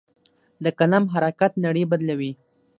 د قلم حرکت نړۍ بدلوي.